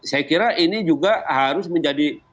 saya kira ini juga harus menjadi